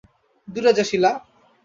দূরে যা, শীলা!